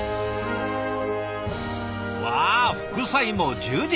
わあ副菜も充実。